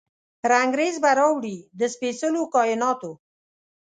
رنګریز به راوړي، د سپیڅلو کائیناتو،